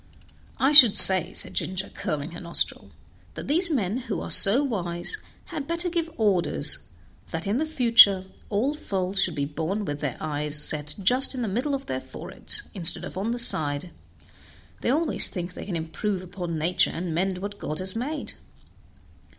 "I should say," said Ginger, curling her nostril, "that these men, who are so wise, had better give orders that in the future all foals should be born with their eyes set just in the middle of their foreheads, instead of on the side; they always think they can improve upon nature and mend what God has made."